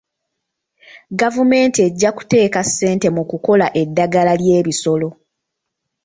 Gavumenti ejja kuteeka ssente mu kukola eddagala ly'ebisolo.